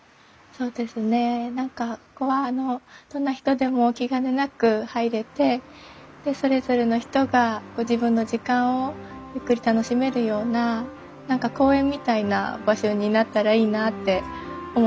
そうですね何かここはあのどんな人でも気兼ねなく入れてそれぞれの人がご自分の時間をゆっくり楽しめるような何か公園みたいな場所になったらいいなって思ってます。